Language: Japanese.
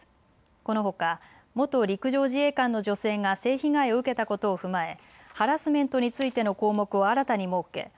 このほか元陸上自衛官の女性が性被害を受けたことを踏まえハラスメントについての項目を新たに設け